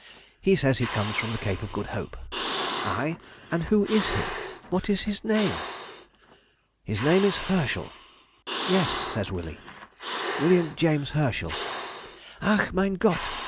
'He says he comes from the Cape of Good Hope.' 'Ay? and who is he? What is his name?' 'His name is Herschel.' 'Yes,' says Willie, 'William James Herschel.' '_Ach, mein Gott!